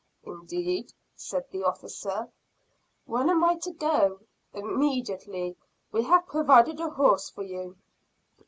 "Indeed!" said the officer. "When am I to go?" "Immediately. We have provided a horse for you."